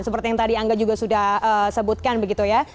seperti yang tadi angga juga sudah sebutkan begitu ya